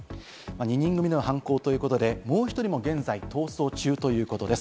２人組での犯行ということで、もう１人も現在逃走中ということです。